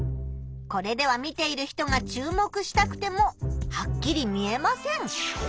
これでは見ている人が注目したくてもはっきり見えません。